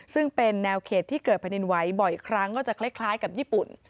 ซึ่งเป็นแนวเขตที่เกิดแผ่นดินไหวบ่อยครั้งก็จะคล้ายกับญี่ปุ่น